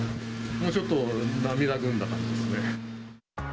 もうちょっと涙ぐんだ感じですね。